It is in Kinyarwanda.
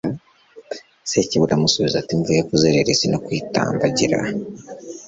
sekibi aramusubiza ati mvuye kuzerera isi no kuyitambagira